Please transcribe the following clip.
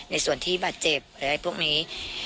ในส่วนที่บาดเจ็บอะไรพวกนี้